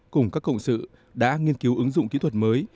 cùng các cộng sự đã nghiên cứu ứng dụng kỹ thuật mới